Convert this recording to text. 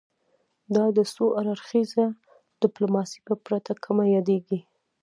دا د څو اړخیزه ډیپلوماسي په پرتله کمه یادیږي